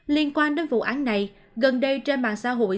liên quan đến vụ án này gần đây trên mạng xã hội